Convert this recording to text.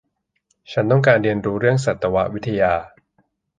ฉันต้องการเรียนรู้เรื่องสัตววิทยา